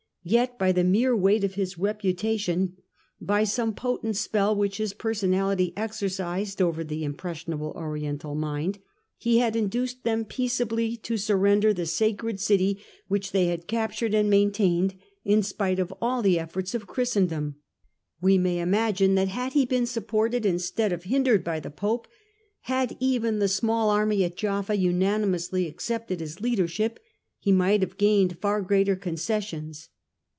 Yet by the mere weight of his reputation, by some potent spell which his personality exercised over the impressionable Oriental mind, he had induced them peaceably to surrender the sacred city THE EXCOMMUNICATE j CRUSADER 97 which they had captured and maintained in spite of all the efforts of Christendom. We may imagine that had he been supported instead of hindered by the Pope, had even the small army at Jaffa unanimously accepted his leadership, he might have gained far greater con cessions.